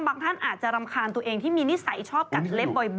ท่านอาจจะรำคาญตัวเองที่มีนิสัยชอบกัดเล็บบ่อย